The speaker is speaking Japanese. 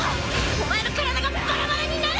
お前の体がバラバラになる！